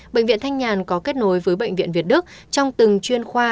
bệnh viện thanh nhàn có kết nối với bệnh viện việt đức trong từng chuyên khoa